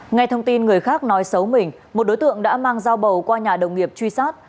ngay thông tin người khác nói xấu mình một đối tượng đã mang dao bầu qua nhà đồng nghiệp truy sát